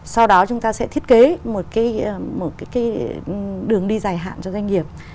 sau đó chúng ta sẽ thiết kế một đường đi dài hạn cho doanh nghiệp